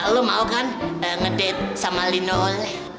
lo mau kan ngedate sama lino oleh